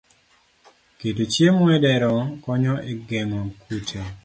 Keto chiemo e dero konyo e geng'o kute